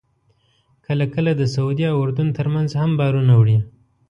کله کله د سعودي او اردن ترمنځ هم بارونه وړي.